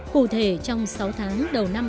cụ thể trong sáu tháng đầu năm hai nghìn một mươi bảy